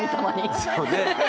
そうね。